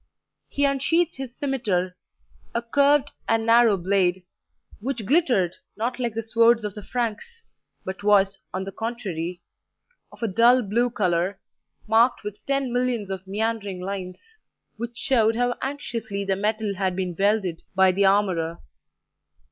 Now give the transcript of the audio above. He unsheathed his scimitar, a curved and narrow blade, which glittered not like the swords of the Franks, but was, on the contrary, of a dull blue colour, marked with ten millions of meandering lines, which showed how anxiously the metal had been welded by the armourer.